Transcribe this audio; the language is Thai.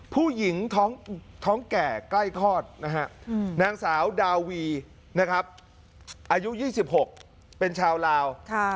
ผู้หญิงท้องแก่ใกล้คลอดนะฮะนางสาวดาวีนะครับอายุ๒๖เป็นชาวลาว